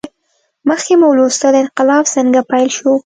مخکې مو ولوستل انقلاب څنګه پیل شو.